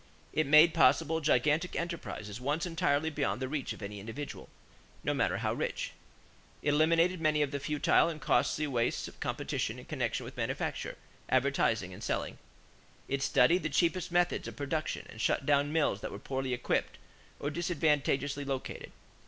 It made possible gigantic enterprises once entirely beyond the reach of any individual, no matter how rich. It eliminated many of the futile and costly wastes of competition in connection with manufacture, advertising, and selling. It studied the cheapest methods of production and shut down mills that were poorly equipped or disadvantageously located.